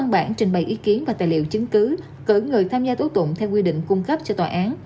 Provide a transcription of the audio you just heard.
bản trình bày ý kiến và tài liệu chứng cứ cử người tham gia tố tụng theo quy định cung cấp cho tòa án